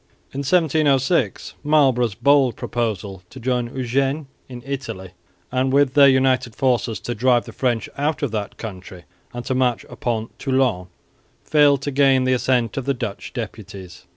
In 1706 Marlborough's bold proposal to join Eugene in Italy, and with their united forces to drive the French out of that country and to march upon Toulon, failed to gain the assent of the Dutch deputies.